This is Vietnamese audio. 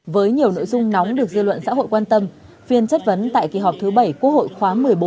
với nhiều nội dung nóng được dư luận xã hội quan tâm phiên chất vấn tại kỳ họp thứ bảy quốc hội khóa một mươi bốn